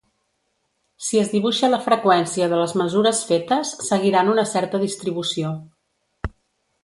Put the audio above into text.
Si es dibuixa la freqüència de les mesures fetes, seguiran una certa distribució.